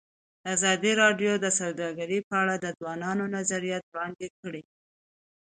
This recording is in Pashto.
ازادي راډیو د سوداګري په اړه د ځوانانو نظریات وړاندې کړي.